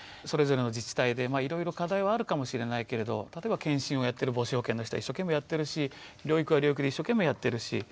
それぞれの自治体でいろいろ課題はあるかもしれないけれど例えば健診をやってる母子保健の人は一生懸命やってるし療育は療育で一生懸命やってるし。